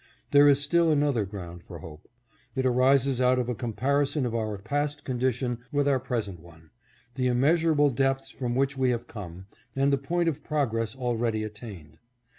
There is still another ground for hope. It arises out of a com parison of our past condition with our present one, — the immeasurable depths from which we have come, and the point of progress already attained.